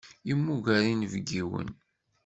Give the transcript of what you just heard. Yemmuger inebgiwen.